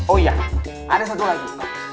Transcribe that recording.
oh iya ada satu lagi